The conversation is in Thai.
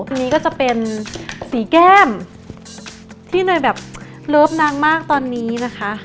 อันนี้ก็จะเป็นสีแก้มที่เนยแบบเลิฟนางมากตอนนี้นะคะ